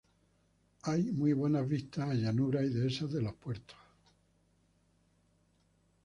Hay muy buenas vistas a llanuras y dehesas en los puertos.